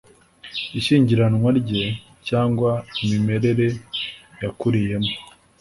ishyingiranwa rye cyangwa imimerere yakuriyemo